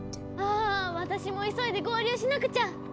あぁ私も急いで合流しなくちゃ！